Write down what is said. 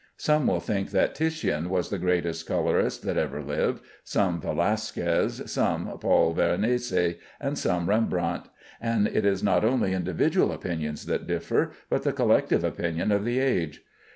Some will think that Titian was the greatest colorist that ever lived, some Velasquez, some Paul Veronese, and some Rembrandt; and it is not only individual opinions that differ, but the collective opinion of the age.